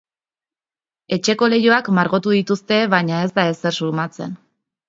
Etxeko leihoak margotu dituzte baina ez da ezer sumatzen.